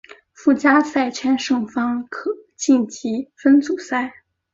附加赛圈胜方可晋级分组赛。